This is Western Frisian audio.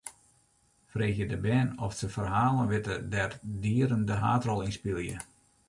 Freegje de bern oft se ferhalen witte dêr't dieren de haadrol yn spylje.